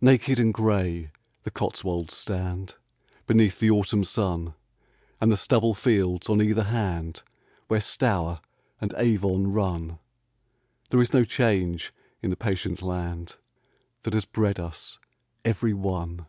Naked and grey the Cotswolds stand Before Beneath the autumn sun, Edgehill And the stubble fields on either hand October Where Stour and Avon run, 1642. There is no change in the patient land That has bred us every one.